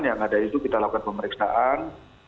yang ada itu kita lakukan pemeriksaan